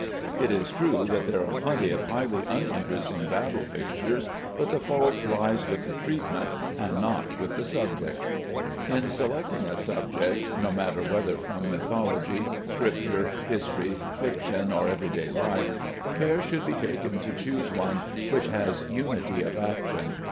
It is true that there are plenty of highly uninteresting battle pictures, but the fault lies with the treatment and not with the subject. In selecting a subject, no matter whether from mythology, Scripture, history, fiction, or every day life, care should be taken to choose one which has unity of action.